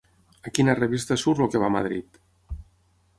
A quina revista surt el que va a Madrid?